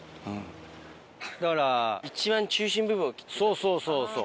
そうそうそうそう